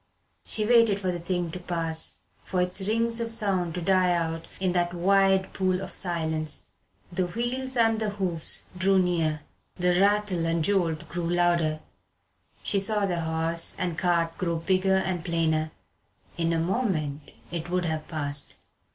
She waited for the thing to pass, for its rings of sound to die out in that wide pool of silence. The wheels and the hoofs drew near. The rattle and jolt grew louder. She saw the horse and cart grow bigger and plainer. In a moment it would have passed.